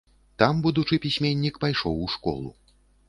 Там будучы пісьменнік пайшоў у школу.